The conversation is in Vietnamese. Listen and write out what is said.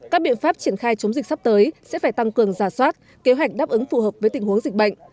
các biện pháp triển khai chống dịch sắp tới sẽ phải tăng cường giả soát kế hoạch đáp ứng phù hợp với tình huống dịch bệnh